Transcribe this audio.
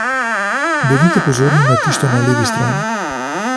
Bodite pozorni na tisto na levi strani.